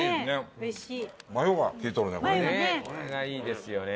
これがいいですよね。